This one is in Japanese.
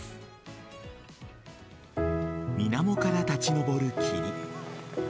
水面から立ち上る霧。